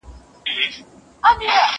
نه ستا زوی سي تر قیامته هېرېدلای.